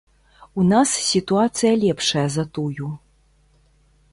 У нас сітуацыя лепшая за тую.